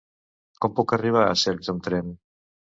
Com puc arribar a Cercs amb tren?